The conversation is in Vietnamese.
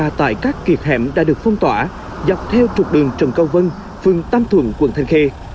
và tại các kiệt hẻm đã được phong tỏa dọc theo trục đường trần cao vân phường tam thuận quận thành khê